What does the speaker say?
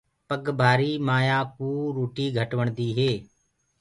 پگ ڀآري مآيآ ڪوُ روٽي گھٽ وڻدي هي۔